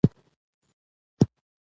د ښځو ونډه ډېره ده